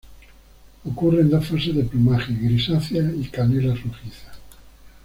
Ocurren dos fases de plumaje: grisácea y canela-rojiza.